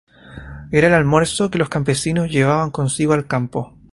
Era el almuerzo que los campesinos llevaban consigo al campo.